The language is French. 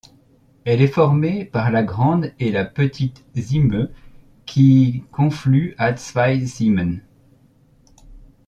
Elle est formée par la Grande et la Petite Simme, qui confluent à Zweisimmen.